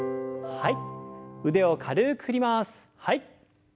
はい。